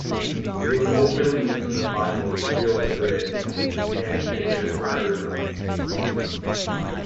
They would ultimately lose in the finals to Real Madrid, and finish as runners-up.